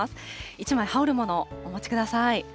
１枚羽織るものをお持ちください。